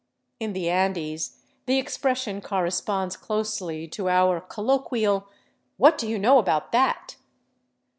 (In the Andes the expression corresponds ;closely to our colloquial "What do you know about that?")